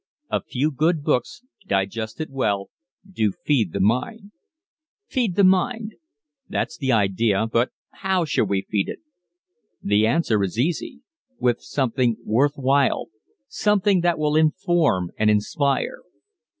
"A few good books, digested well, do feed The mind." "Feed the mind!" That's the idea but how shall we feed it? The answer is easy with something worth while something that will inform and inspire.